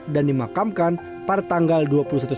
dan dimakamkan pada tanggal dua puluh empat agustus